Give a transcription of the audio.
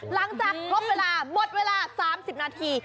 หลังจากครบเวลาหมดเวลา๓๐นาที